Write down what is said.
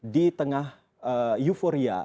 di tengah euforia